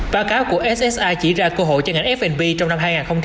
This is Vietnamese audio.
báo cáo của ssi chỉ ra cơ hội cho ngành f b trong năm hai nghìn hai mươi hai